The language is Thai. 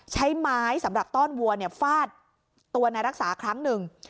ใช้ไม้สำหรับต้อนวัวฟาดตัวนายรักษาครั้งหนึ่ง